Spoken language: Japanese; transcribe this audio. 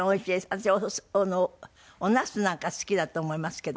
私おナスなんか好きだと思いますけど。